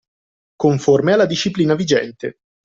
Conforme alla disciplina vigente.